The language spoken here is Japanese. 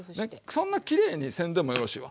そんなきれいにせんでもよろしいわ。